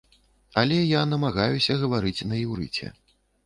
Але я намагаюся гаварыць на іўрыце.